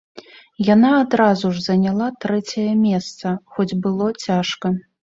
Яна адразу ж заняла трэцяе месца, хоць было цяжка.